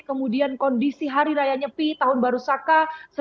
kemudian kondisi hari raya nyepi tahun baru saka seribu sembilan ratus empat puluh lima